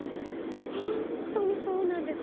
本当にそうなんです！